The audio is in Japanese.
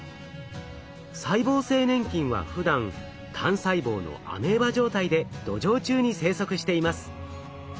細胞性粘菌はふだん単細胞のアメーバ状態で土壌中に生息しています。